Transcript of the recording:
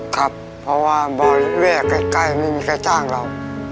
ครับเพราะว่าบริเวณใกล้ไม่มีใครจ้างเรา